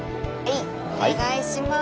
お願いします。